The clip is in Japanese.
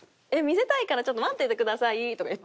「見せたいからちょっと待っててください」とか言って。